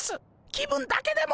気分だけでも。